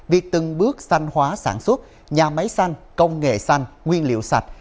việc từng bước xanh hóa sản xuất nhà máy xanh công nghệ xanh nguyên liệu sạch